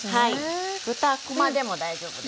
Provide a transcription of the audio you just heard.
豚こまでも大丈夫です。